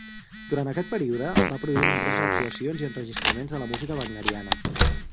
Durant aquest període va produir nombroses actuacions i enregistraments de la música wagneriana.